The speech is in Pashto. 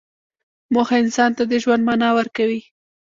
موخه انسان ته د ژوند معنی ورکوي.